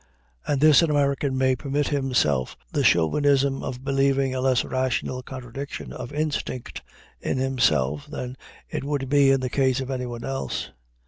And this an American may permit himself the chauvinism of believing a less rational contradiction of instinct in himself than it would be in the case of anyone else.